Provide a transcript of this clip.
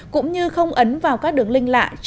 cũng như không ấn vào các đường linh lạ trên mạng xã hội